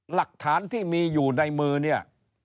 หลักฐานที่มีอยู่ในมือเนี่ย